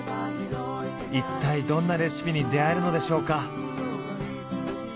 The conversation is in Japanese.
一体どんなレシピに出会えるのでしょうか？